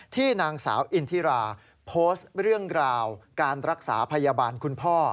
ที่นางสาวอินทิราโพสต์เรื่องราวการรักษาพยาบาลคุณพ่อ